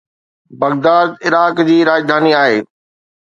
Baghdad Iraq جي راڄڌاني آهي